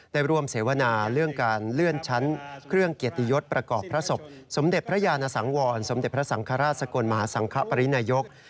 ได้ร่วมเสวนาเรื่องการเลื่อนชั้นเครื่องเกียรติยศประกอบพระศพสมเด็จพระยานสังวรสมเด็จพระสังฆราชสกลมหาสังคปรินายก